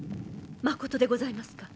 まことでございますか？